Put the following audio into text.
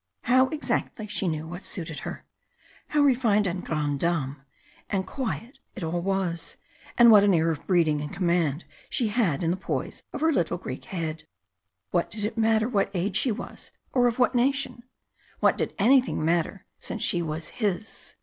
How exactly she knew what suited her. How refined and grande dame and quiet it all was, and what an air of breeding and command she had in the poise of her little Greek head. What did it matter what age she was, or of what nation? What did anything matter since she was his?